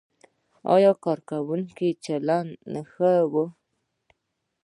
ایا کارکوونکو چلند ښه و؟